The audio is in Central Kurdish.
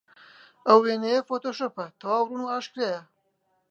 ئەو وێنەیە فۆتۆشۆپە، تەواو ڕوون و ئاشکرایە.